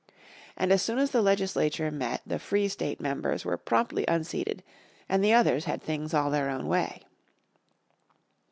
And as soon as the legislature met, the "Free State" members were promptly unseated, and the others had things all their own way.